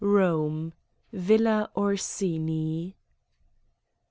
Eome, Villa Orsini.